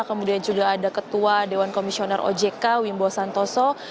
kemudian juga ada ketua dewan komisioner ojk wimbo santoso